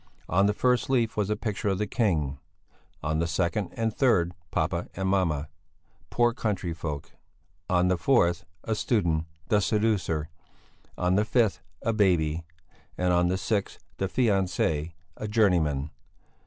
On the first leaf was a picture of the King, on the second and third papa and mamma poor country folk; on the fourth a student, the seducer; on the fifth, a baby; and on the sixth the fiancé, a journeyman.